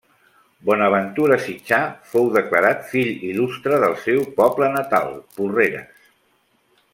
Bonaventura Sitjar fou declarat fill il·lustre del seu poble natal, Porreres.